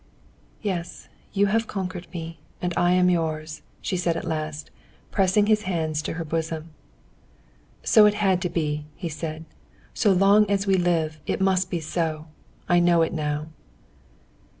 "Yes, you have conquered me, and I am yours," she said at last, pressing his hands to her bosom. "So it had to be," he said. "So long as we live, it must be so. I know it now."